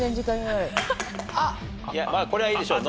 いやこれはいいでしょう。